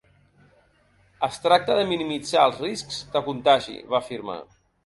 Es tracta de minimitzar els riscs de contagi, va afirmar.